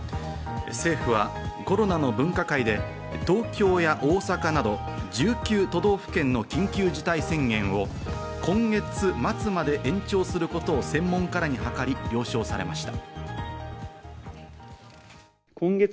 政府はコロナの分科会で東京や大阪など１９都道府県の緊急事態宣言を今月末まで延長することを専門家らに諮り、了承されました。